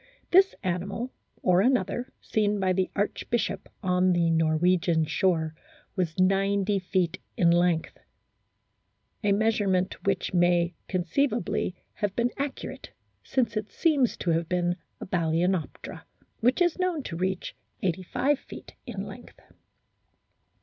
This animal, or another seen by the archbishop on the Norwegian shore, was 90 feet in length, a measure ment which may conceivably have been accurate, since it seems to have been a Balcenoptera, which is known to reach 85 feet in length.